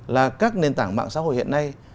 là các nền tảng mạng xã hội hiện nay